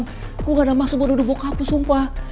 gue gak ada maksud buat nuduh bokaku sumpah